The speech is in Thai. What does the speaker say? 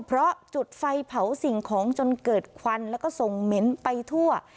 เพราะจุดไฟเผาสิ่งของจนเกิดควันแล้วก็ส่งเหม็นไปทั่ว